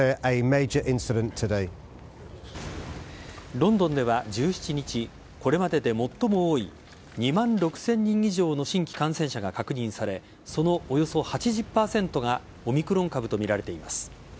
ロンドンでは１７日これまでで最も多い２万６０００人以上の新規感染者が確認されそのおよそ８０％がオミクロン株とみられています。